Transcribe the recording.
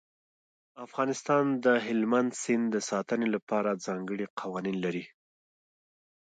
افغانستان د هلمند سیند د ساتنې لپاره ځانګړي قوانین لري.